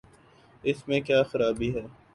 اس میں کیا خرابی ہے؟